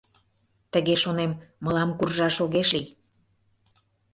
Тыге шонем: мылам куржаш огеш лий.